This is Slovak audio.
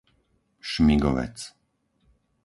Šmigovec